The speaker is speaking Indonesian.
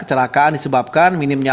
dia oleng dulu atau gimana